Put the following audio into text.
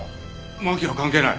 麻紀は関係ない！